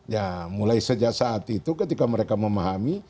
ya mulai sejak saat itu ketika mereka memahami